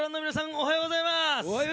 おはようございまーす。